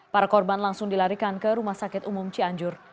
para korban langsung dilarikan ke rumah sakit umum cianjur